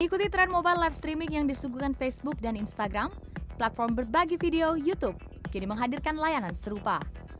ikuti tren mobile live streaming yang disuguhkan facebook dan instagram platform berbagi video youtube kini menghadirkan layanan serupa